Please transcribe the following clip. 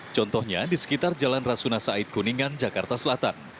contohnya di sekitar jalan rasuna said kuningan jakarta selatan